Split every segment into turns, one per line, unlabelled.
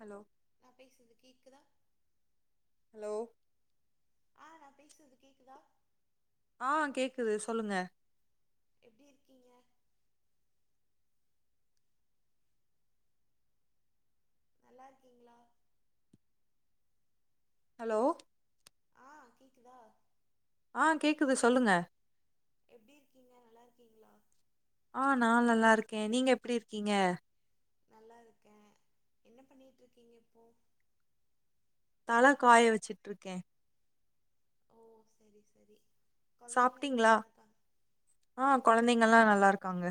Hello
நா பேசுறது கேக்குதா
ஹலோ
நான் பேசுறது கேக்குதா
ஆஹ் கேக்குது சொல்லுங்க
எப்டி இருக்கிங்க நல்லா இருக்கீங்களா
ஹலோ
ஆஹ் கேக்குதா
ஆஹ் கேக்குது சொல்லுங்க
எப்படி இருக்கீங்க நல்லா இருக்கீங்களா
ஆஹ் நான் நல்லா இருக்கேன் நீங்க எப்படி இருக்கீங்க
நல்லா இருக்கேன் என்ன பண்ணிட்ருக்கீங்க இப்போ
தல காய வச்சுட்ருக்கேன்
ஓ செரி செரி
சாப்பிட்டீங்களா ஆஹ்
ஆ
கொழந்தைங்கலாம் நல்லா இருக்காங்க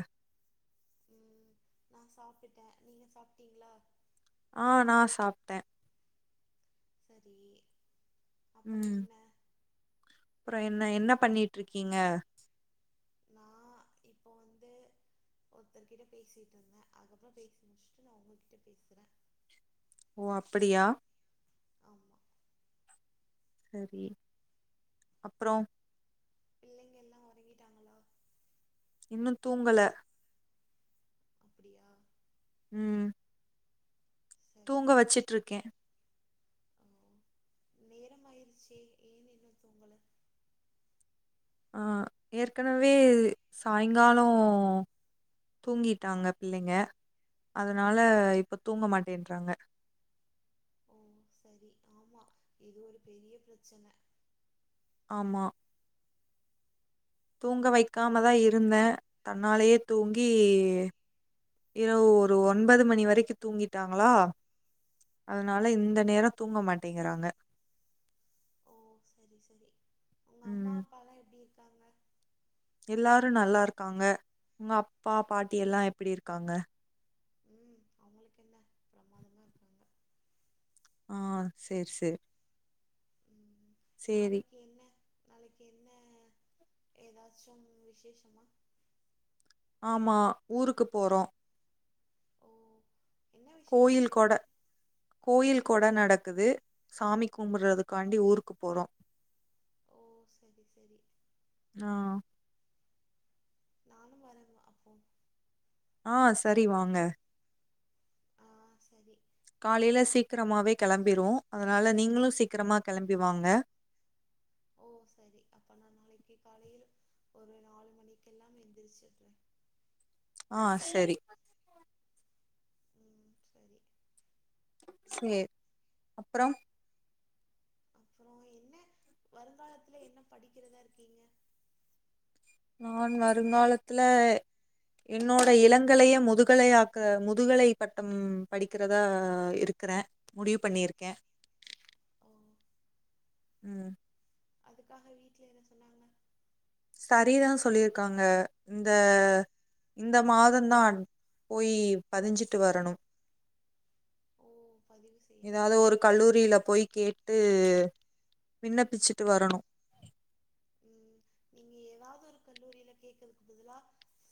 உம் நான் சாப்பிட்டேன் நீங்க சாப்பிட்டீங்களா
ஆஹ் நான் சாப்ட்டே
சரி அப்புறோ
உம்
என்ன
அப்பறோ என்ன என்ன பண்ணிட் ட்ருக்கீங்க
நான் இப்போ வந்து ஒருத்தர் கிட்ட பேசிட்ருந்தேன் அதுக்கப்றோ பேசி முடிச்சுட்டு நான் உங்ககிட்ட பேசுறே
ஓ அப்படியா
ஆமா
செரி அப்றோ
பிள்ளைங்க எல்லாம் ஒறங்கிட்டாங்கள
இன்னும் தூங்கல
அப்படியா
உம்
சரி
தூங்க வச்சிட்ருக்கே
ஓ நேரமாயிருச்சே ஏன் இன்னும் தூங்கல
ஆ ஏற்கனவே சாயங்காலோ தூங்கிட்டாங்க பிள்ளைங்க அதனால இப்போ தூங்க மாட்டேன்றாங்க
ஓ சரி ஆமா இது ஒரு பெரிய பிரச்சன
ஆமா தூங்க வைக்காம தா இருந்தே தன்னாலேயே தூங்கி இரவு ஒரு ஒன்பது மணி வரைக்கு தூங்கிட்டாங்களா அதனால
ம்
இந்த நேரோ தூங்க மாட்டிங்கிறாங்க
ஓ சரி சரி உங்கம்மா அப்பாலா எப்டி இர்
எல்லாரு நல்லா இருக்காங்க உங்கப்பா பாட்டி எல்லா எப்படி இருக்காங்க
உம் அவங்களுக்கு என்ன பிரமாதமா இருக்காங்க
ஆஹ் சேர் சேர்
உம் நாளைக்கு என்ன நாளைக்கு என்ன எதாச்சும் விசேஷமா
ஆமா ஊருக்கு போறோ
ஓ என்ன விசேஷம்
கோயில்
என்ன
கொட கோயில் கொட நடக் குது சாமி கும்படறதுக்காண்டி ஊருக்கு போறோ
ஓ செரி செரி
ஆ.
நானும் வரவா அப்போ
ஆஹ் சரி வாங்க
ஆஹ் சரி
காலைல சீக்கிரமாவே கெளம்பிரு அதனால நீங்களு சீக்கிரமா கெளம்பி வாாங்க
ஓ சரி அப்ப நா நாளைக்கு காலைலு ஒரு நாலு மணிக்கெல்லாம் எந்திரிச்சட்றே
ஆஹ் செரி
உம் சரி
சேர் அப்பறோ
அப்பறோ என்ன வருங்காலத்துல என்ன படிக்கிறதா இருக்கீங்க
நான் வருங்காலத்துல என்னோட இளங்கலைய முதுகலையாக்க முதுகலை பட்டம் படிக்கிறதா இருக்கறே முடிவு பண்ணிருக்கே
ஓ
உம்
அதுக்காக வீட்ல என்ன சொன்னாங்க
சரிதா சொல்லிருக்காங்க இந்த இந்த மாதந்தான் போயி பதிஞ்சிட்டு வரணு
ஓ பதிவு
எதாவது
செய்யணுமா
ஒரு கல்லூரில போய் கேட் டு விண்ணப்பிச்சுட்டு வரணு
உம் நீங்க ஏதாவ்து ஒரு கல்லூரில கேக்கர்துக்கு பதிலா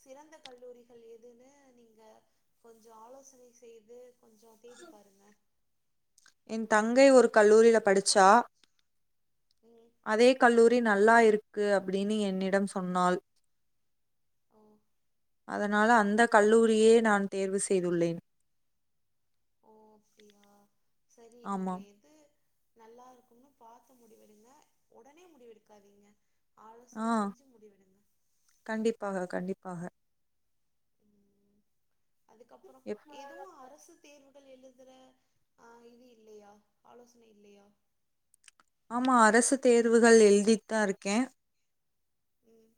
சிறந்த கல்லூரிஹள் எதுன்னு நீங்க கொஞ்சோ ஆலோசனை செய்து கொஞ்சோ தேடி பாருங்க
என் தங்கை ஒரு கல்லூரில படிச்சா
ம்
அதே கல்லூரி நல்லா இரு க்கு அப்படினு என்னிடம் சொன்னாள்
ஓ
அதனால அந்த கல்லூரியே நான் தேர்வு செய்துள்ளேன்
ஓ அப்டியா சரி நீங்க
ஆமாம்
எது நல்லா இருக்கும்னு பார்த்து முடிவெடுங்க உடனே முடிவெடுக்காதீங்க ஆலோசன
ஆஹ்
செஞ்சு முடிவெடுங்க
கண்டிப்பாக கண்டிப்பாக
அதுக்கப்புறம்
எப்
எதுவும் அரசு தேர்வு எழுதுற ஆஹ் இது இல்லையா ஆலோசனை இல்லையா
ஆமா அரசு தேர்வுகள் எழுதித்தான் இருக்கேன்
உம்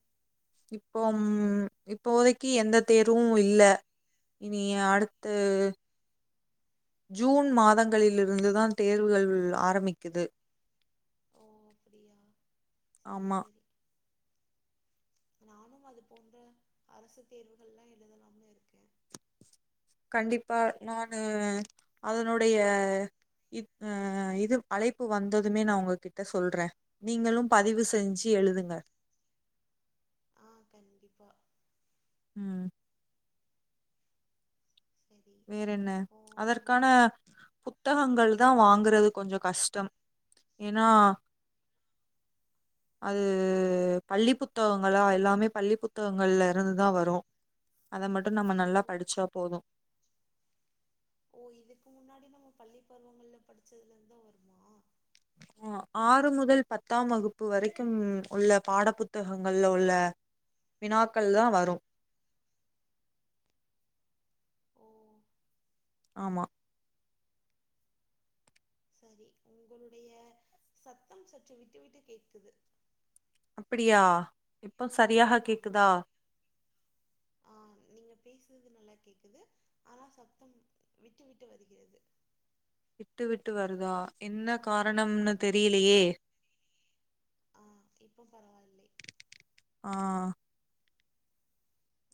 இப்போ ம் இப்போததைக்கு எந்த தேர்வும் இல்லை இனி அடுத்த ஜூன் மாதங்களில இருந்துதான் தேர்வுகள் ஆரம்பிக்குது
ஓ அப்படியா சரி
ஆமா
சரி நானும் அது போன்ற அரசு தேர்வுகள் எல்லாம் எழுதலாம இருக்கேன்
கண்டிப்பா நானு அதனுடைய இ அஹ் இது அழைப்பு வந்ததுமே நான் உங்ககிட்ட சொல்றேன் நீங்களும் பதிவு செஞ்சு எழுதுங்க
ஆஹ் கண்டிப்பா
உம்
சரி
வேற என்ன
அப்போ நம்ம
அதற்கான புத்தகங்கள் தான் வாங்குறது கொஞ்சம் கஷ்டம் ஏன்னா அது பள்ளி புத்தகங்களா எல்லாமே பள்ளி புத்தகங்கள்ல இருந்துதான் வரும் அதை மட்டும் நம்ம
ஓ
நல்லா படிச்சா போதும்
ஓ இதுக்கு முன்னாடி நம்ம பள்ளி பருவங்கள்ல படிச்சதுல இருந்தான் வருமா
ஆஹ் ஆறு முதல் பத்தாம் வகுப்பு வரைக்கும் உள்ள பாட புத்தகங்கள்ல உள்ள வினாக்கள் தான் வரும்
ஓ
ஆமா
சரி உங்களுடைய சத்தம் சற்று விட்டு விட்டு கேட்குது
அப்படியா இப்போ சரியாக கேக்குதா
ஆஹ் நீங்க பேசுறது நல்லா கேக்குது ஆனா சத்தம் விட்டு விட்டு வருகிறது
விட்டு விட்டு வருதா என்ன காரணம்னு தெரியலையே
ஆஹ் இப்போ பராவல்லே
ஆஹ்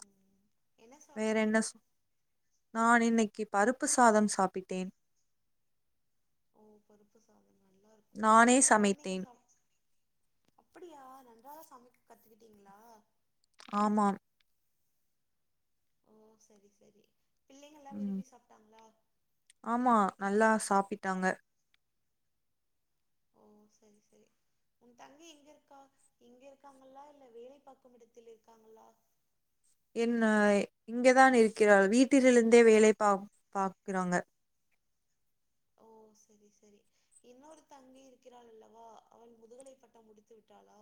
ம் என்ன
வேற என்ன
சாப்பிட்டீங்க
சொ நான் இன்னைக்கு பருப்பு சாதம் சாப்பிட்டேன்
ஓ பருப்பு சாதம் நல்லா இருக்கும்
நானே
கொழந்தைங்க
சமைத்தேன்
சா அப்படியா நன்றாக சமைக்கு கத்துக்கிட்டீங்களா
ஆமா
ஓ சரி சரி பிள்ளைங்கல்லா
உம்
விரும்பி சாப்ட்டாங்களா
ஆமா நல்லா சாப்பி டாங்க
ஓ சரி சரி உன் தங்கை எங்க இருக்கா இங்க இருக்காங்களா இல்ல வேலை பார்க்கும் இடத்தில் இருக்காங்களா
என்ன இங்கதான் இருக்கிறாள் வீட்டிலிருந்தே வேலை பா பாக்கிறாங்க
ஓ சரி சரி இன்னொரு தங்கை இருக்கிறாள் அல்லவா அவள் முதுகலை பட்டம் முடித்து விட்டாளா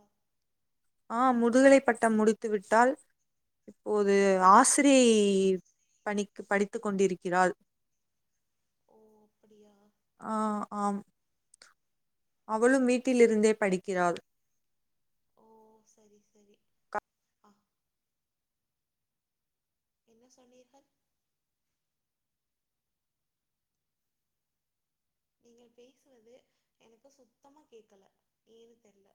ஆஹ் முதுகலை பட்டம் முடித்து விட்டால் இப்போது ஆசிரியை பனிக்கு படித்துக் கொண்டிருக்கிறாள்
ஓ அப்டியா
அவளு வீட்டிலிருந்தே படிக்கிறாள்
ஓ செரி செரி அ என்ன சொன்னீர்கள் நீங்கள் பேசுவது எனக்கு சுத்தமா கேக்கல ஏனு தெர்ல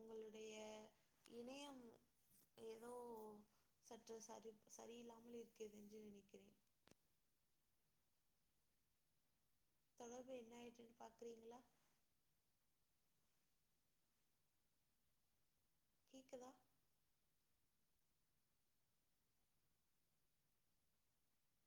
உங்களுடைய இணையம் ஏதோ சற்று சரி சரியில்லாமல் இருக்குது என்று நினைக்கிறேன் தொடர்பு என்ன ஆயிட்டுனு பாக்குறீங்களா கேக்குதா